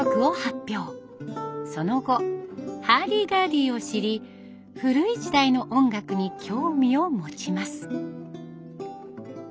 その後ハーディガーディを知り古い時代の音楽に興味を持ちます。